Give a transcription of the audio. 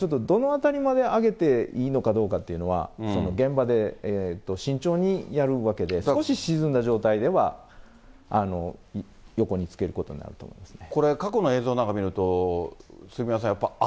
今回、中に水残っているので、どのあたりまで揚げていいのかどうかっていうのは、現場で慎重にやるわけで、少し沈んだ状態では、横に付けることになると思いますね。